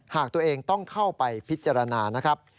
หากตัวเองต้องเข้าไปพิจารณานะครับ